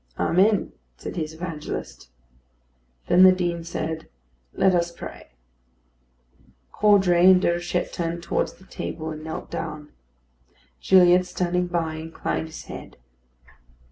"Amen," said his evangelist. Then the Dean said, "Let us pray." Caudray and Déruchette turned towards the table, and knelt down. Gilliatt, standing by, inclined his head.